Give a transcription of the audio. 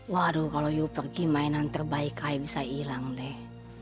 waduh kalau you pergi mainan terbaik ayo bisa hilang deh